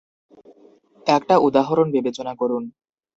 একটা উদাহরণ বিবেচনা করুন।